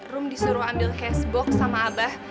raum disuruh ambil cash box sama abah